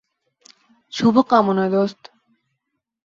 শুভকামনা, দোস্ত।